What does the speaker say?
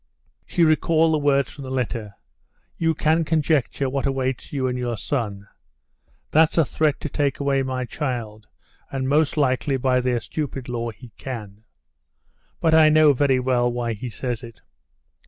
She recalled the words from the letter. "You can conjecture what awaits you and your son...." "That's a threat to take away my child, and most likely by their stupid law he can. But I know very well why he says it.